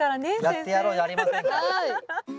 やってやろうじゃありませんか。